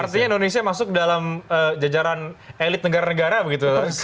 artinya indonesia masuk dalam jajaran elit negara negara begitu